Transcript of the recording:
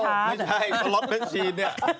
ไม่ใช่สล็อตเป็นชีนนี่